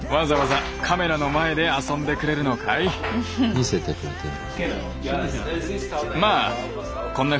見せてくれてる。